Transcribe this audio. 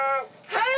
はい！